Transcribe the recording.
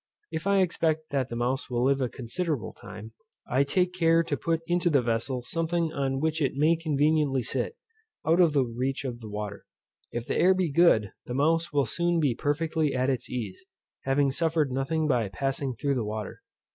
If I expect that the mouse will live a considerable time, I take care to put into the vessel something on which it may conveniently sit, out of the reach of the water. If the air be good, the mouse will soon be perfectly at its ease, having suffered nothing by its passing through the water.